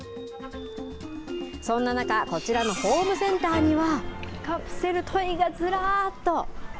そんな中こちらのホームセンターには。